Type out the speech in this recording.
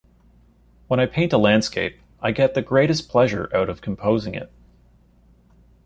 When I paint a landscape, I get the greatest pleasure out of composing it.